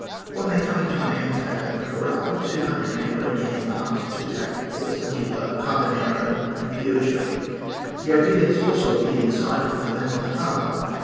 On their coming to an anchor at the Corral, two hundred men were again embarked to attack Forts Niebla, Carbonero, and Piojo. The O'Higgins also appeared in sight off the mouth of the harbour.